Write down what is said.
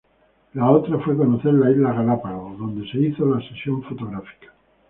La otra fue conocer las Islas Galápagos, donde se hizo la sesión fotográfica.